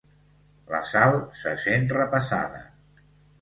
La Sal se sent repassada.